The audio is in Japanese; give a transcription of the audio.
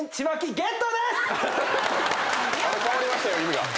変わりましたよ意味が。